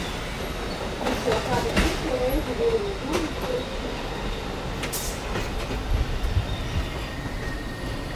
Viņš jau kādu piekto reizi virina durvis, kuras čīkst.